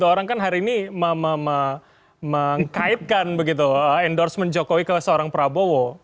dua orang kan hari ini mengkaitkan begitu endorsement jokowi ke seorang prabowo